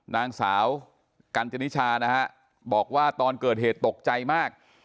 นางสาวกัญจนิชานะฮะบอกว่าตอนเกิดเหตุตกใจมาก